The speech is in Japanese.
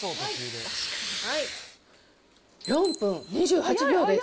４分２８秒です。